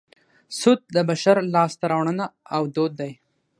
سود د بشر لاسته راوړنه او دود دی